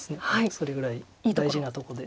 それぐらい大事なとこで。